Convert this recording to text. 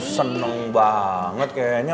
seneng banget kayaknya